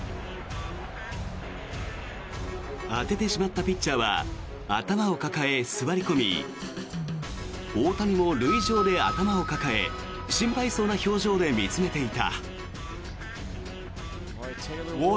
当ててしまったピッチャーは頭を抱え、座り込み大谷も塁上で頭を抱え心配そうな表情で見つめていた。